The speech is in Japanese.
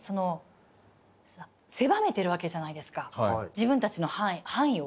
自分たちの範囲を。